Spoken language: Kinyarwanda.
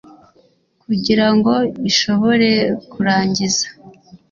kugira ngo ishobore kurangiza